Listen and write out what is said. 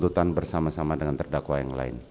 tuntutan bersama sama dengan terdakwa yang lain